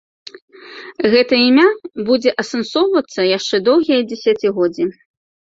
Гэта імя будзе асэнсоўвацца яшчэ доўгія дзесяцігоддзі.